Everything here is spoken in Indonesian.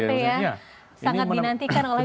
ya sangat dinantikan oleh